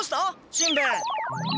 しんべヱ。